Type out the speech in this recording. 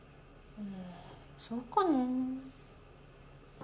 うんそうかな？